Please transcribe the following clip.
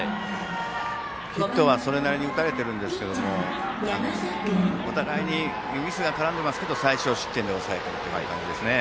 ヒットは、それなりに打たれているんですけどお互いにミスが絡んでますけど最少失点で抑えたという感じですね。